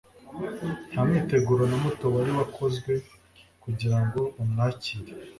nta mwiteguro na muto wari wakozwe kugirango bamwakire.